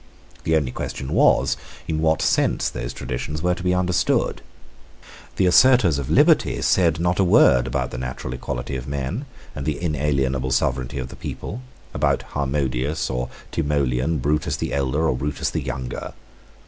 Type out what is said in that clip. The only question was, in what sense those traditions were to be understood. The assertors of liberty said not a word about the natural equality of men and the inalienable sovereignty of the people, about Harmodius or Timoleon, Brutus the elder or Brutus the younger.